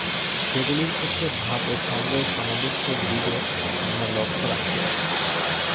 সেগুলির ক্ষেত্রে ভাব ও ছন্দের সামঞ্জস্যের দিকে আমরা লক্ষ্য রাখিয়াছি।